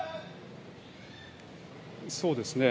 そうですね。